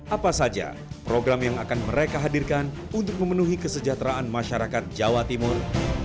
apa saja program yang akan mereka hadirkan untuk memenuhi kesejahteraan masyarakat jawa timur